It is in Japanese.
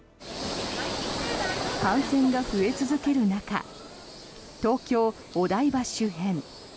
感染が増え続ける中東京・お台場周辺。